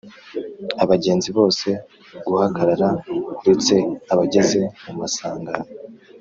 Abagenzi bose guhagarara uretse abageze mu masangano